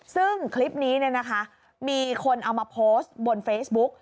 ซึ่งคลิปนี้เนี่ยนะคะมีคนเอามาโพสต์บนเฟซบุ๊ก